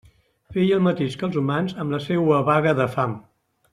Feia el mateix que els humans amb la seua vaga de fam.